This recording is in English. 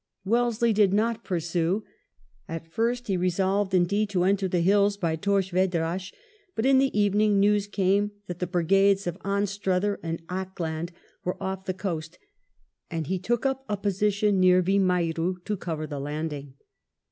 Wellesley did not pursue. At first he resolved, indeed, to enter the hills by Torres Vedras, but in the evening news came that the brigades of Anstruther and Acland were off the coast, and he took up a position near Vimiero to cover the landing.